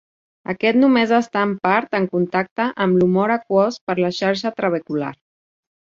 Aquest només està en part en contacte amb l'humor aquós per la xarxa trabecular.